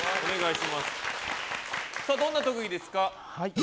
どんな特技ですか？